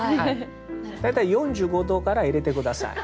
大体４５度から入れて下さい。